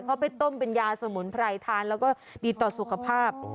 เขาไปต้มเป็นยาสมุนไพรทานแล้วก็ดีต่อสุขภาพ